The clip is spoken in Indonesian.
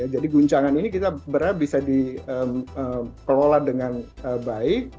jadi guncangan ini kita berharap bisa diperolah dengan baik